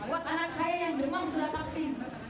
buat anak saya yang demam sudah vaksin